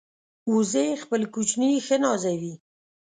وزې خپل کوچني ښه نازوي